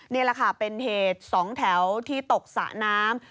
นี่แหละค่ะเป็นเหตุสองแถวที่ตกสระน้ำ